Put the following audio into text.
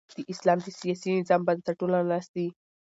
د اسلام د سیاسي نظام بنسټونه لس دي.